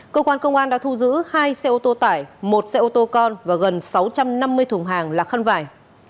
cơ quan công an đã thu giữ hai xe ô tô tải một xe ô tô con và gần sáu trăm năm mươi thùng hàng là khăn vải